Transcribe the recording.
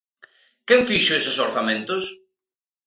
¿Quen fixo eses orzamentos?